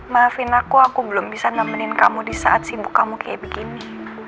maafin aku aku belum bisa nemenin kamu di saat sibuk kamu kayak begini